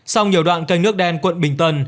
sau nhiều đoạn kênh nước đen quận bình tân